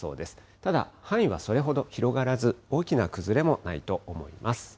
ただ、範囲はそれほど広がらず、大きな崩れもないと思います。